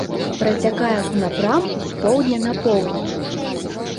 Працякае ў напрамку з поўдня на поўнач.